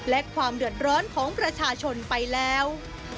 และความเดือดร้อนของประชาชนไปแล้ว